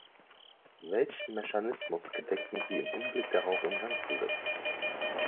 Welchen Mechanismus gedenken Sie im Hinblick darauf in Gang zu setzen?